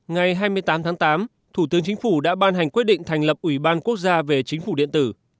ngày hai mươi tám tháng tám thủ tướng chính phủ đã ban hành quyết định thành lập ủy ban quốc gia về chính phủ điện tử